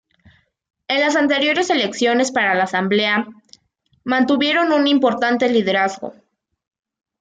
En las anteriores elecciones para la Asamblea, mantuvieron un importante liderazgo.